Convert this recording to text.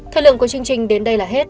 thời lượng của chương trình đến đây là hết